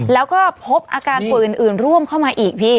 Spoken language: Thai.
แล้วก็พบอาการป่วยอื่นร่วมเข้ามาอีกพี่